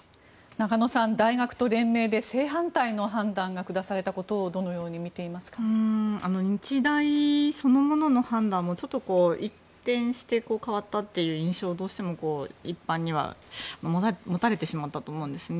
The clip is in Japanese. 中野さん大学と連盟で正反対の判断が下されたことを日大そのものの判断も一転して変わったという印象をどうしても一般には持たれてしまったと思うんですね。